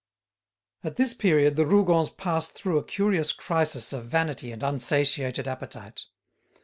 At this period the Rougons passed through a curious crisis of vanity and unsatiated appetite.